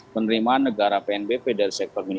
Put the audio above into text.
penerimaan negara pnbp dari sektor